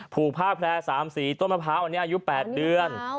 ผูกภาคแพร่สามสีต้นมะพ้าวันนี้อายุ๘เดือน